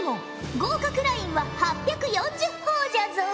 合格ラインは８４０ほぉじゃぞ。